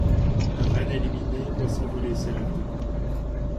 Rennes éliminé voit s'envoler ses rêves de coupe.